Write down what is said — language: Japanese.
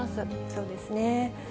そうですね。